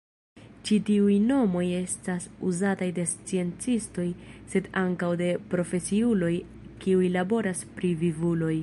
Ĉi-tiuj nomoj estas uzataj de sciencistoj sed ankaŭ de profesiuloj kiuj laboras pri vivuloj.